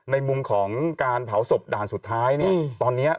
ในมุมของการเผาโซบด่านสุดท้ายเนี่ย